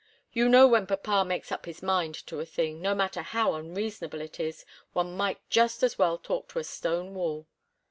You know when papa makes up his mind to a thing, no matter how unreasonable it is, one might just as well talk to a stone wall.